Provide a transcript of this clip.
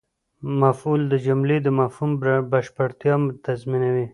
مفعول د جملې د مفهوم بشپړتیا تضمینوي.